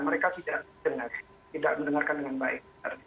mereka tidak mendengarkan dengan baik